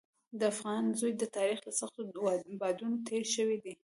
د افغان زوی د تاریخ له سختو بادونو تېر شوی دی.